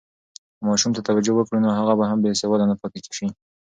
که ماشوم ته توجه وکړو، نو هغه به بې سواده نه پاتې شي.